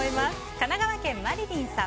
神奈川県の方。